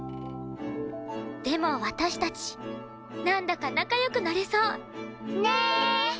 でも私たちなんだか仲良くなれそう！ねーっ！